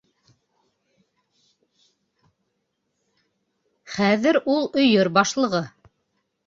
Хәҙер ул - өйөр башлығы.